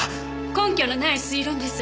根拠のない推論です。